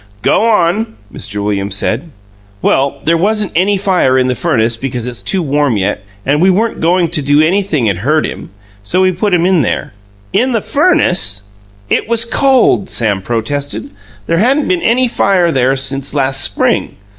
"Go on!" Mr. Williams said. "Well, there wasn't any fire in the furnace because it's too warm yet, and we weren't goin' to do anything'd HURT him, so we put him in there " "In the FURNACE?" "It was cold," Sam protested. "There hadn't been any fire there since last spring.